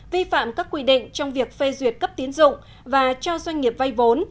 vi phạm các quy định trong việc phê duyệt cấp tiến dụng và cho doanh nghiệp vay vốn